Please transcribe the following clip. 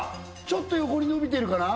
ちょっと横に伸びてるかな？